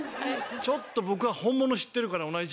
ちょっと僕は本物知ってるから。